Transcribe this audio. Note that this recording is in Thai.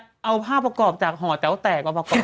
เป็นการกระตุ้นการไหลเวียนของเลือด